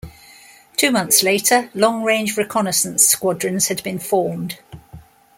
Two months later, long-range reconnaissance squadrons had been formed.